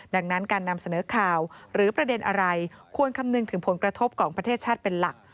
ดังนั้นการนำเสนอข่าวหรือประเด็นอะไรควรคำนึงถึงผลกระทบของประเทศชาติเป็นหลัก